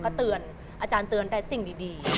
ก็เตือนอาจารย์เตือนแต่สิ่งดี